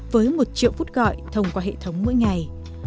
với một triệu phút gọi thông qua hệ thống mỗi ngày